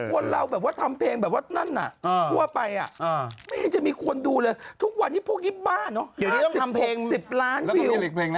ไม่เคยแบร์เลยธิ่มอย่างนี้